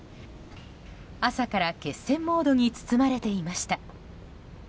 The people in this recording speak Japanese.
朝から決戦モードに包まれていました。